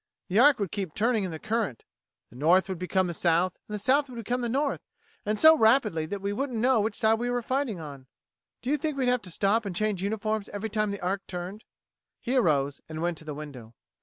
The ark would keep turning in the current the North would become the South and the South would become the North, and so rapidly that we wouldn't know which side we were fighting on. Do you think we'd have to stop and change uniforms every time the ark turned?" He arose and went to the window.